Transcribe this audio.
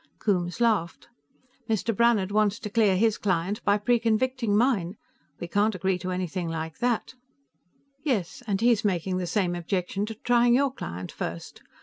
Coombes laughed. "Mr. Brannhard wants to clear his client by preconvicting mine. We can't agree to anything like that." "Yes, and he is making the same objection to trying your client first.